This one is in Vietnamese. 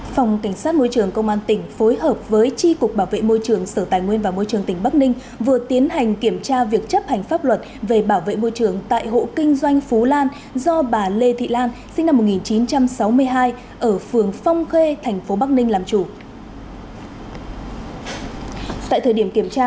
phòng cảnh sát môi trường công an tỉnh phối hợp với tri cục bảo vệ môi trường sở tài nguyên và môi trường tỉnh bắc ninh vừa tiến hành kiểm tra việc chấp hành pháp luật về bảo vệ môi trường tại hộ kinh doanh phú lan do bà lê thị lan sinh năm một nghìn chín trăm sáu mươi hai ở phường phong khê thành phố bắc ninh làm chủ